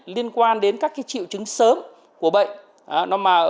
liên quan đến các triệu chứng sớm của bệnh